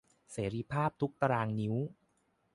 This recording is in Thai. เสรีภาพทุกข์ตะรางนิ้ว